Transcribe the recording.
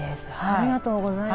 ありがとうございます。